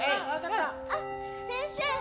あっ先生！